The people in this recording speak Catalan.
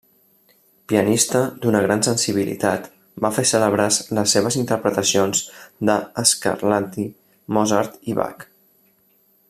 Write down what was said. Pianista d'una gran sensibilitat, va fer cèlebres les seves interpretacions de Scarlatti, Mozart i Bach.